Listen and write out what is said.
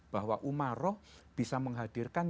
bahwa umarok bisa menghadirkan